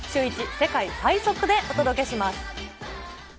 世界最速でお届けします。